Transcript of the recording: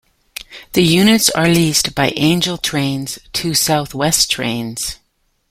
The units are leased by Angel Trains to South West Trains.